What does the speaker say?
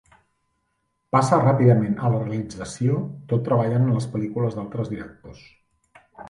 Passa ràpidament a la realització tot treballant en les pel·lícules d'altres directors.